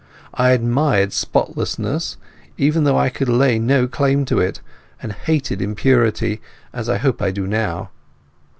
I admired spotlessness, even though I could lay no claim to it, and hated impurity, as I hope I do now.